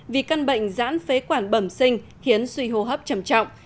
vì căn bệnh giãn phế quản bẩm sinh khiến suy hô hấp trầm trọng